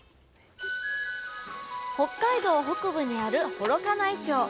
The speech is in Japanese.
北海道北部にある幌加内町。